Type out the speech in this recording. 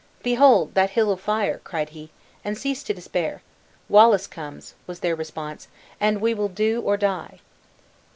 "Behold that hill of fire!" cried he, "and cease to despair." "Wallace comes!" was their response; "and we will do or die!"